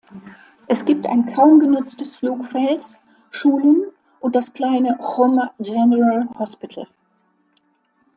Es gibt ein kaum genutztes Flugfeld, Schulen und das kleine "Choma General Hospital".